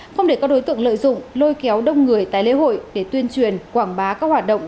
không để các đối tượng lợi dụng lôi kéo đông người tại lễ hội để tuyên truyền quảng bá các hoạt động